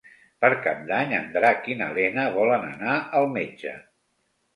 Per Cap d'Any en Drac i na Lena volen anar al metge.